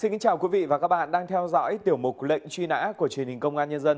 xin kính chào quý vị và các bạn đang theo dõi tiểu mục lệnh truy nã của truyền hình công an nhân dân